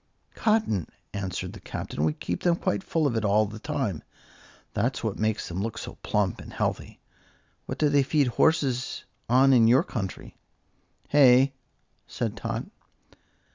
"Cotton," answered the Captain. "We keep them quite full of it all the time. That's what makes them look so plump and healthy. What do they feed horses on in your country?" "Hay," said Tot.